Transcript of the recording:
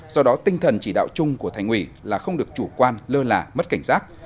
do đó tinh thần chỉ đạo chung của thành ủy là không được chủ quan lơ là mất cảnh giác